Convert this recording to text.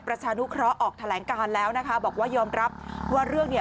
ประชานุเคราะห์ออกแถลงการแล้วนะคะบอกว่ายอมรับว่าเรื่องเนี่ย